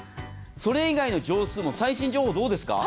それ以外の畳数も最新情報はどうですか。